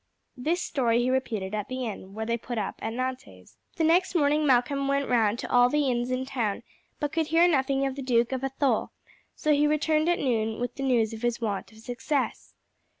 This story he repeated at the inn where they put up at Nantes. The next morning Malcolm went round to all the inns in the town, but could hear nothing of the Duke of Athole, so he returned at noon with the news of his want of success.